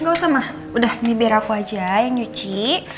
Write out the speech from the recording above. udah ini biar aku aja yang nyuci